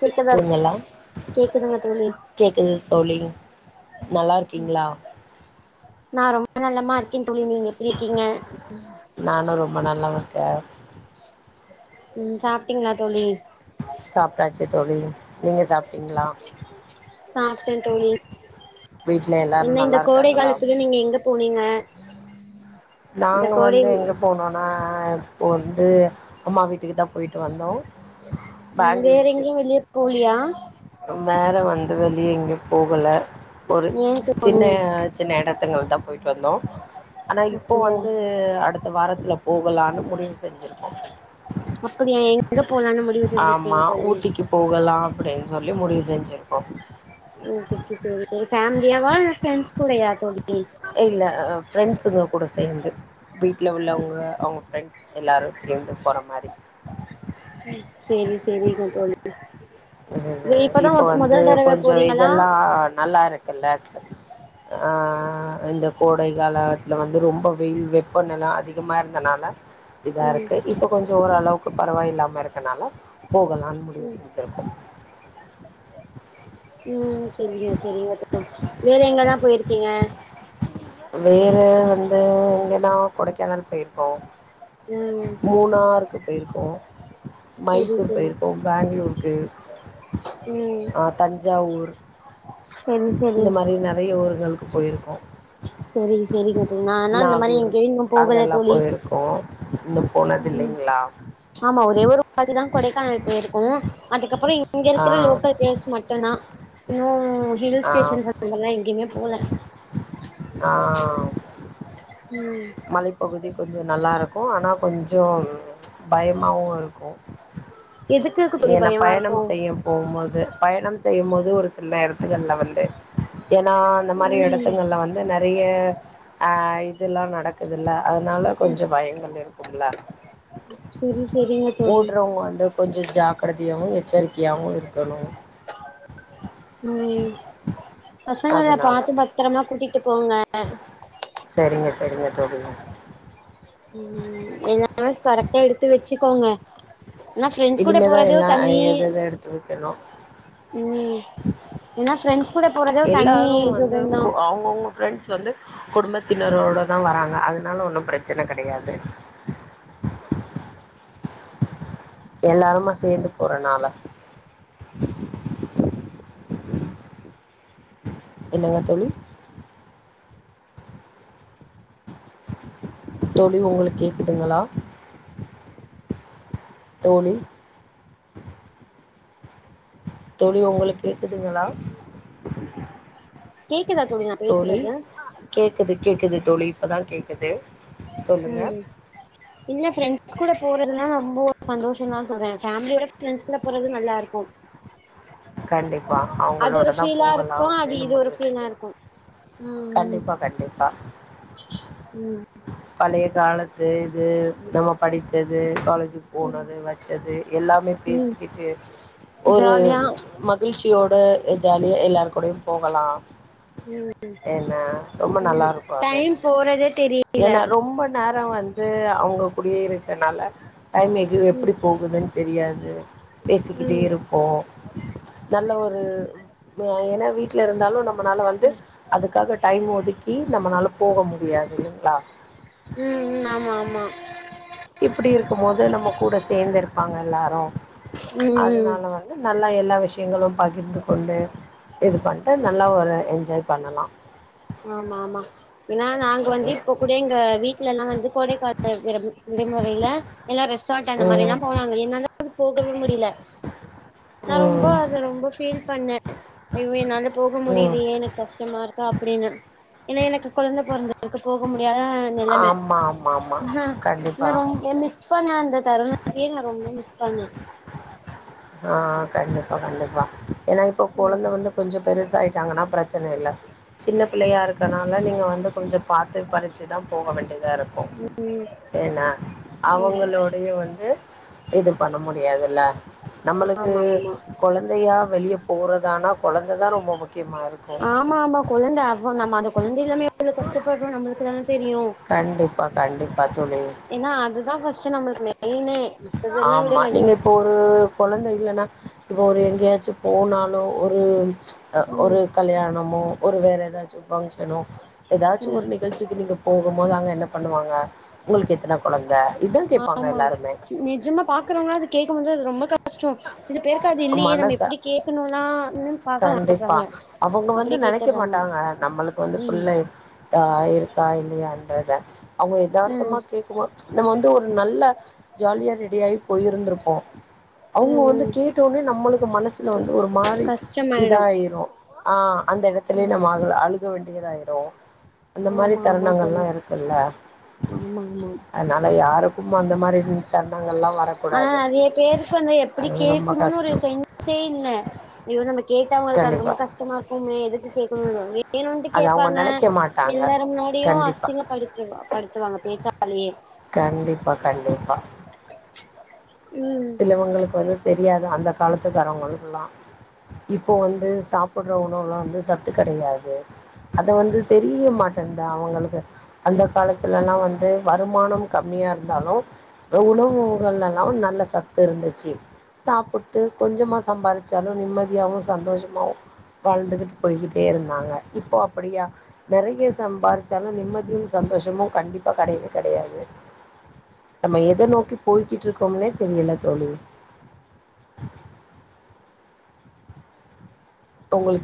கேக்குதா புள்ளைங்கல்லா கேக்குதுங்க தோழி கேக்குது தோழி நல்லாருக்கீங்களா நா ரொம்ப நலமா இருக்கே தோழி நீங்க எப்படி இருக்கீங்க நானு ரொம்ப நல்லவு இருக்கே ம் சாப்ட்டீங்களா தோழி சாப்பிட்டாச்சு தோழி நீங்க சாப்பிட்டீங்களா சாப்பிட்டே தோழி வீட்ல எல்லாரு நீங்க இந்த நல்லா கோடை இருக்காங்களா காலத்துல நீங்க எங்கப் போனீங்க இந்த நாங்க கோடை வந்து எங்க ம் போனோனா இப்போ வந்து அம்மா வீட்டுக்கு தா போயிட்டு வந்தோ ம் வேறங்கயு வெளிய போலியா ம் வேற வந்து வெளிய எங்க போகல ஒரு ஏ ம்ச் தோழி சின்ன சின்ன எடத் துங்கள் தா போயிட்டு வந்தோ ஆனா இப்போ அப்டியா வந்து அடுத்த வாரத்துலப் போகலானு முடிவு செஞ்சிருக் அப்படியா எங்க போலான்னு முடிவு செஞ்சிருக்கீங்க தோழி போகலா அப்படின்னு சொல்லி முடிவு செஞ்சிருக்கோ ம் திக்கி செரி செரி ஃபேமிலியாவா இல்ல ஃப்ரெண்ட்ஸ் கூடயா தோழி இல்ல ஆ ஃப்ரெண்ட்ஸ்ஸுங்க கூட சேந்து வீட்ல உள்ளவங்க அவங்க ஃப்ரெண்ட் எல்லாரு சேந்து போற மாரி செரி செரிங்க தோழி [unintelligible] வ இப்பதா இப்ப வந்து மொதல் தடவ கொஞ்சோ போறீங்களா இதெல்லா நல்லாருக்குல்ல [inaudible] ஆ இந்த கோடை காலத்துல வந்து ரொம்ப வெயில் வெப்பநில அதிக் கமா இருந்தனால ம் இதாருக்கு இப்ப கொஞ்சோ ஓரளவுக்கு பரவாயில்லாம இருக்கனால போகலான் முடிவு ம் செஞ்சிருக்கோ ம் செரிங்க செரிங்க தோழி வேற எங்கலா போயிருக்கீங்க வேற வந்து எங்கனா கொடைக்கானல் போயிருக்கோ ம் மூனாருக்கு போயிருக்கோ செரி மைசூர் செரி போயிருக்கோ பேங்ளூருக்கு ம் ஆ தஞ்சாவூர் செரி செரி இந்த மாரி நெறைய ஊர்களுக் போயிருக்கோ செரி செரிங்க தோழி நானா இந்த மாரி நாகூர் எங்கயு இன்னு போகல அங்கல்லா தோழி போயிருக்கோ இன்னு ம் போனதுல்லைங்ளா ஆமா ஒரே ஒரு வாட்டிதா கொடைக்கானல் போயிருக்கோ அதுக்கப்புறோ இங்க இருக்கிற லோக்கல் ப்ளேஸ் மட் டனா இன்னு ஹில் ஸ்டேஷன்ஸ் [inaudible] எங்கயுமே போல ஆம் ம் மலைப்பகுதி கொஞ்ச நல்லாருக்கு ஆனா கொஞ்சோ ம்ச் பயமாவு இருக்கு எதுக்கு தோழி ஏன பயமா பயணம் இருக்கு செய்ய போவும்போது பயணம் செய்யும் மோது ஒரு சில எடத்துகள்ல வந்து ஏன்னா அந்த மாரி ம் எடத்துங்கள்ல வந் து நறைய ஆ இதுல்லா நடக்குதுல்ல அதனால கொஞ்ச பயங்கள் இருக் குமுல்ல செரி செரிங்க தோழி ஓட்றவுங்க வந்து கொஞ்ச ஜாக்கிரதையாவு எச்சரிக்கையாவு இருக்கணு ம் பசங்கள அதனால பாத்து பத்ரமா கூட்டிகிட்டு போங்க செரிங்க செரிங்க தோழி ம் எல்லாமே கரெக்டா எடுத்து வெச்சுக்கோங்க ஏனா ப்ஃரெண்ட்ஸ் கூட இனிமேதா போரதே எல்லா தனி எத எத எடுத்து வைக்கணு ம் ஏனா ப்ஃரெண்ட்ஸ் கூட போறதே ஒரு தனி எல்லாரு சுகந்தா குடும்பத்தினரோடதா வராங்க அதனால ஒன்னு பிரச்சன கடையாது எல்லாருமா சேந்து போறனால என்னவா தோழி தோழி உங்ளுக்கு கேக்குதுங்களா தோழி தோழி உங்களுக்கு கேக்குதுங்களா கேக்குதா தோழி நா பேசுறது கேக்குது கேக்குது தோழி இப்பதா கேக்குது சொல்லுங்க ம் இல்ல ஃப்ரெண்ட்ஸ் கூட போறதுனா ரொம்போ சந்தோஷந்தா சொல்ற ஃபேமிலியோட ஃப்ரெண்ட்ஸ் கூட போறது நல்லா இருக்கு கண்டிப்பா அது ஒரு அவுங்களோட தா ஃபீலா போகலா இருக்கு அது அப்டினு இது ஒரு முடிவு ஃபீலா செஞ்சிருக் இருக்கு கண்டிப்பா கண்டிப்பா ம் பழைய காலத்து இது நம்ம படிச்சது காலேஜு போனது வச்சது எல்லாமே ம் பேசிக்கிட்டு ஒரு ஜாலியா மகிழ்ச்சியோட ஜாலியா எல்லாருக்கூடயு போகலா ம் ஏனா ரொம்ப நல்லா இருக்கு அது டைம் போறதே தெரியல ஏனா ரொம்ப நேரோ வந்து அவுங்க கூடியே இருக்கனால டைம் எ லீவு எப்டி ம் போகுதுன் தெரியாது பேசிக்கிட்டே ம் இரு ப்போ நல்ல ஒரு ஏனா வீட்ல இருந்தாலு நம்பனால வந்து அதுக்காக டைம் ஒதுக்கி நம்மனால போக முடியாது இல்லிங்ளா ம் ம் ஆமா ஆமா இப்டி இருக்கும் போது நம்ம கூட சேந்துருப்பாங்க எல்லாரு ம் ம் அதனால வந்து நல்லா எல்லா விஷயங்களு பாகிர்ந்து கொண்டு இது பண்ட்டு நல்லா ஒரு என்ஜாய் பண்ணலா ஆமா ஆமா ஏனா நாங்க வந்து இப்ப கூட எங்க வீட் லல்லா வந்து கோடைக்கால விட விடுமுறையில எல்லா ரெசார்ட் அந்த ம். மாரில்லா போவாங்க என்னால போகவே முடியல நா ரொம்ப ம். அத ரொம்ப ஃபீல் பண்ண ஐயோ என்னால போக ம். முடியிலயே எனக் கஷ்டமா இருக் கு அப்டின்னு ஏனா எனக்கு கொழந்த பொறந்திற்கு போக முடியாதா நெலம ஆமா, ஆமா, ஆமா. கண்டிப்பா. நா ரொம்ப மிஸ் இப்ப நா அந்த தருணத்தையே நா ரொம்ப மிஸ் பண்ண ஆ கண்டிப்பா கண்டிப்பா ஏனா இப்ப கொழந்த வந்து கொஞ்சோ பெருசா ஆயிட்டாங்கன்னா பிரச்சன இல்ல சின்ன பிள்ளையா இருக்கனால நீங்க வந்து கொஞ்சோ பாத்து பறிச்சு தா போக வேண்டியதா இருக்கு என்ன அவங்களோ வெளிய வந்து இது பண்ண முடியாதுல்ல நம்மளுக்கு ஆமா ஆமா கொழந்தையா வெளிய போறதனா கொழந்த தா ரொம்ப முக் ஆமா ஆமா கொழந்த அப்ப நம்ம அந்த கொழந்த இல்லாம எவ்ளோ கஷ்டப்பட்றோ நம்ளுக்கு தான தெரியு கண்டிப்பா கண்டிப்பா தோழி ஏனா அதுதா ஃபஸ்டு நம்ளுக்கு மெயினே மத்ததெல்லா ஆமா விடுங்க நீங்க வீட் இப்போ உ கொழந்த இல்லனா இப்போ ஒரு எங்கயாச்சு போனாலோ ஒரு அ ஒரு ம் கல்யாணமோ ஒரு வேற ஏதாச்சு ஃபங்ஷனோ ஏதாச்சு ஒரு நிகழ்ச்சிக்கு நீங்க போகும் போது அங்க என்ன பண்ணுவாங்க உங்ளுக்கு எத்தன கொழந்த இதா ஆமா நெஜமா பாக்குறவங்களா அது கேக்கும்போது அது ரொம்ப க கஷ்டோ சில பேருக்கு அது இல்லயே நம்ம மனசு எப்டி கேக்ணுலா இன்னு கண்டிப்பா பாக்கமாட்றாங்க அவங்க வந்து நெனைக்க மாட்டாங்க நம்மளுக்கு வந்து ம் புள்ள ஆ இருக்கா இல்லையான்றத அவங்க எதார்த்தமா ம் கேக்கும்போ நம்ம வந்து ஒரு நல்ல ஜாலியா ரெடியாகி போய் இருந்திருப்போ அவுங்க வந்து ம் கேட்டோனே நம்மளுக்கு மனசில வந்து ஒரு மாரி கஷ்டமாயிடு இதாயிரு ஆ அந்த இடத்துலே ம் நம்ம அழுவ அழுக வேண்டியதாயிரு அந்த மாரி ஆமா ஆமா தருணங்கள்லா தோழி இருக்குல்ல ஆமா ஆமா அனால யாருக்கும் அந்த மாரி தருணங்கள்லா ஆனா வரக்கூடாது நெறைய பேருக்கு அந்த எப்டி அது ரொம்ப கேக்கணுனு ஒரு கஷ்டோ சென்சே இல்ல ஐயோ நம்ம கேட்டா அவங்களுக்கு அது கண்டிப்பா ரொம்ப கஷ்டமா இருக்குமே எதுக்கு கேக்குணுனு இல்ல வேணுண்டு அது அவங்க கேப்பாங்க நெனைக்க மாட்டாங்க எல்லாரு முன்னாடியு கண்டிப்பா அசிங்க படுத்துவா படுத்துவாங்க பேச்சாலேயே கண்டிப்பா கண்டிப்பா ம் சிலவங்களுக்கு வந்து தெரியாது அந்த காலத்துக்காரவங்களுக்குலா இப்போ வந்து சாப்புட்ற உணவுல வந்து சத்து கெடயாது அது வந்து தெரிய மாட்டேனுது அவங்களுக்கு அந்த காலத்துலல்லா வந்து வருமானம் கம்மியா இருந்தாலு ஏதோ உணவுகள்லலா நல்ல சத்து இருந்துச்சு சாப்பிட்டு கொஞ்சமா சம்பாதிச்சாலு நிம்மதியாவு சந்தோஷமாவு வாழ்ந்துகிட் போய்கிட்டே இருந்தாங்க இப்போ அப்படியா நெறைய சம்பாரிச்சாலு நிம்மதியு சந்தோஷமு கண்டிப்பா கெடயவே கெடையாது நம்ம எத நோக்கி போய்கிட் இருக்கோம்னே தெரியல தோழி உங்களுக்கே